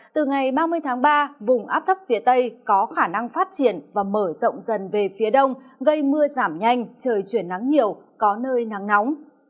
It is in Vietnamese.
từ ngày ba mươi tháng ba vùng áp thấp phía tây có khả năng phát triển và mở rộng dần về phía đông gây mưa giảm nhanh trời chuyển nắng nhiều có nơi nắng nóng